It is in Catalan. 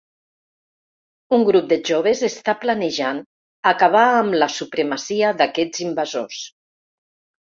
Un grup de joves està planejant acabar amb la supremacia d’aquests invasors.